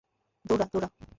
দৌড়া, দৌড়া।